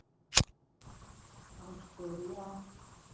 起きてるよ。